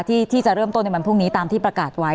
ที่จะเริ่มต้นในวันพรุ่งนี้ตามที่ประกาศไว้